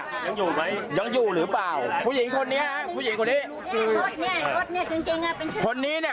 ยังอยู่ไหมยังอยู่หรือเปล่าผู้หญิงคนนี้ผู้หญิงคนนี้คนนี้เนี้ย